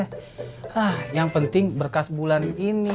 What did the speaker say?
ah yang penting berkas bulan ini